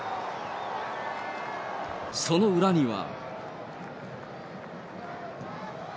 その裏には。